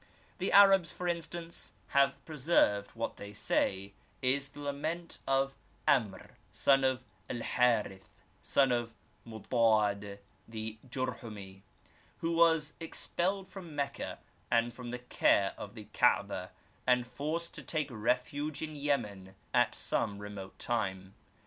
The Arabs, for instance, have preserved what they say is the lament of Amr, son of El Harith, son of Modad the Jorhomi, who was expelled from Mecca and from the care of the Ka*beh, and forced to take refuge in Yemen at some remote time.